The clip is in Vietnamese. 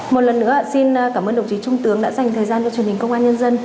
một lần nữa xin cảm ơn đồng chí trung tướng đã dành thời gian cho truyền hình công an nhân dân